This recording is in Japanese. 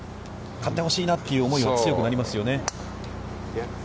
勝ってほしいなという思いは強くなりますよね。